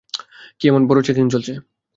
কী এমন বড় চেকিং চলছে?